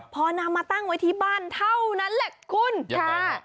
พอนำมาตั้งไว้ที่บ้านเท่านั้นแหละคุณค่ะ